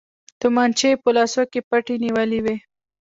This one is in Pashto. تمانچې يې په لاسو کې پټې نيولې وې.